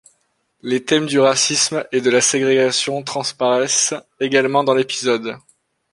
Les thèmes du racisme et de la ségrégation transparaissent également dans l'épisode.